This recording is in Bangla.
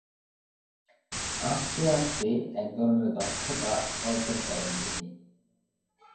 আঁকতে আঁকতে এক ধরনের দক্ষতা অর্জন করেন তিনি।